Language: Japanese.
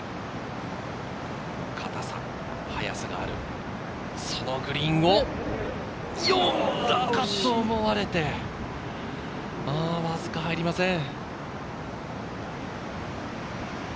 硬さ、速さがある、そのグリーンを読んだかと思われて、わずか入りません。